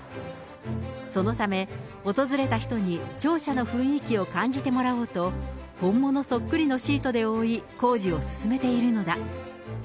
そのため、訪れた人に庁舎の雰囲気を感じてもらおうと、本物そっくりのシートで覆い、工事を進めているのだ。